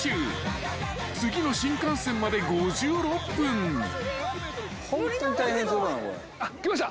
［次の新幹線まで５６分］来ました。